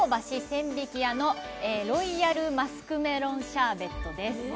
千疋屋のロイヤル・マスクメロン・シャーベットです。